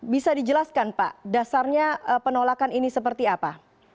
bisa dijelaskan pak dasarnya penolakan ini seperti apa